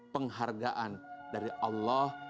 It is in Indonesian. penghargaan dari allah